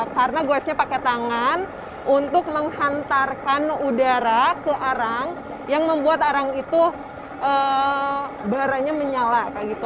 karena goesnya pakai tangan untuk menghantarkan udara ke arang yang membuat arang itu barangnya menyala